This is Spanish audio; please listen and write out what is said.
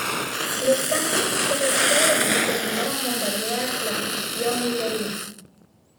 Los tanques se retiraron y continuaron bombardear la posición israelí.